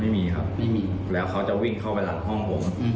ไม่มีครับไม่มีแล้วเขาจะวิ่งเข้าไปหลังห้องผม